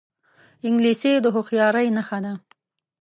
انګلیسي د هوښیارۍ نښه ده